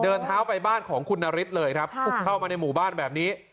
เดินเท้าไปบ้านของคุณนฤทธิ์เลยครับเข้ามาในหมู่บ้านแบบนี้